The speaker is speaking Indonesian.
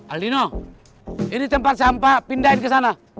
aldino ini tempat sampah pindahin ke sana